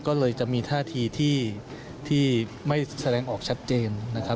ก็เลยจะมีท่าทีที่ไม่แสดงออกชัดเจนนะครับ